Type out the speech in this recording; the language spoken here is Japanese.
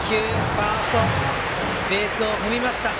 ファーストがベースを踏みました。